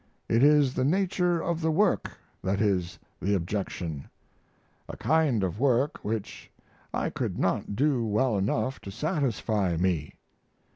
It is the nature of the work that is the objection a kind of work which I could not do well enough to satisfy me.